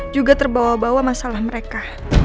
juga terbawa bawa masalah mereka